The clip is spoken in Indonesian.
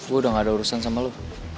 gue udah ga ada urusan sama lu